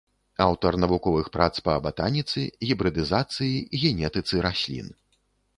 Аўтар навуковых прац па батаніцы, гібрыдызацыі, генетыцы раслін.